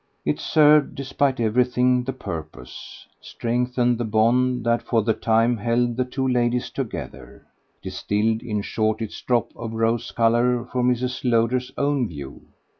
It served, despite everything, the purpose, strengthened the bond that for the time held the two ladies together, distilled in short its drop of rose colour for Mrs. Lowder's own view.